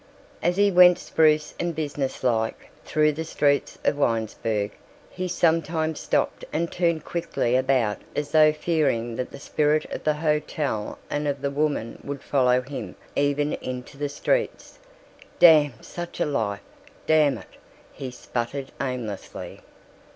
As he went spruce and business like through the streets of Winesburg, he sometimes stopped and turned quickly about as though fearing that the spirit of the hotel and of the woman would follow him even into the streets. "Damn such a life, damn it!" he sputtered aimlessly.